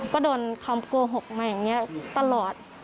ก็โดนคำโกหกมาอย่างนี้ตลอด